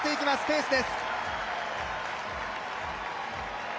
ペースです。